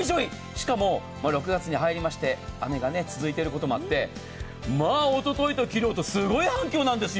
しかも６月に入りまして雨が続いていることもあってまあ、おとといと昨日とすごい反響なんですよ。